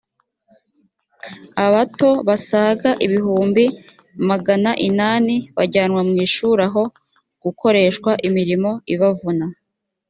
abato basaga ibihumbi magana inani bajyanwa mu ishuri aho gukoreshwa imirimo ibavuna